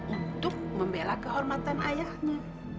untuk membela kehormatan ayahnya